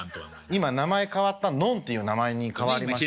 今名前変わったのんっていう名前に変わりましたよね。